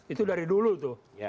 itu dari dulu tuh